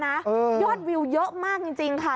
น้องเฮ้ยน้องเฮ้ย